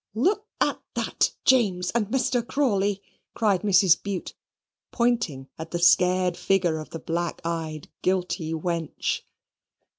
"Look at that, James and Mr. Crawley," cried Mrs. Bute, pointing at the scared figure of the black eyed, guilty wench.